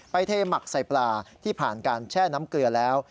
เทหมักใส่ปลาที่ผ่านการแช่น้ำเกลือแล้ว